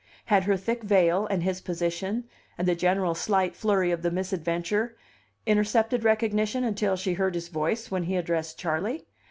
Had her thick veil, and his position, and the general slight flurry of the misadventure, intercepted recognition until she heard his voice when he addressed Charley.